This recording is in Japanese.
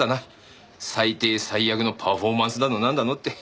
最低最悪のパフォーマンスだのなんだのって。